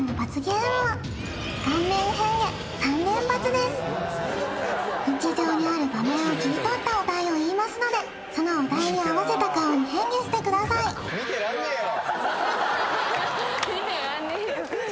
だる日常にある場面を切り取ったお題を言いますのでそのお題に合わせた顔に変化してください見てらんねぇよ